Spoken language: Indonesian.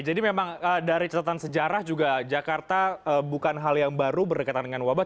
memang dari catatan sejarah juga jakarta bukan hal yang baru berdekatan dengan wabah